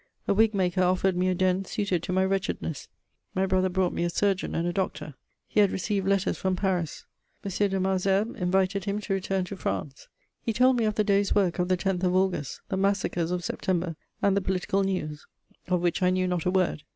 A wig maker offered me a den suited to my wretchedness. My brother brought me a surgeon and a doctor. He had received letters from Paris: M. de Malesherbes invited him to return to France. He told me of the day's work of the 10th of August, the massacres of September, and the political news, of which I knew not a word.